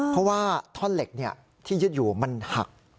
เพราะว่าท่อนเหล็กที่ยึดอยู่มันหัก